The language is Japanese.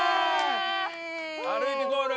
歩いてゴール。